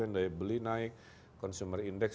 daya beli naik consumer index